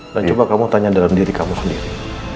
dan coba kamu tanya dalam diri kamu sendiri